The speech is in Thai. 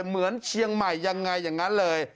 เหมือนเชียงใหม่ยังไงอย่างนั้นเลย